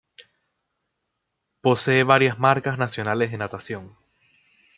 Posee varias marcas nacionales de Natación.